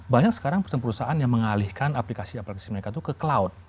banyak sekarang perusahaan perusahaan yang mengalihkan aplikasi aplikasi mereka itu ke cloud